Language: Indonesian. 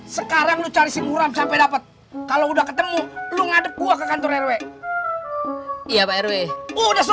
sekarang lu cari si muram sampai dapat kalau udah ketemu lu ngadep gue ke kantor rw iya pak rw udah